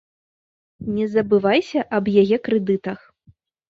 Не забывайся аб яе крэдытах!